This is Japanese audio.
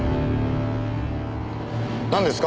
なんですか？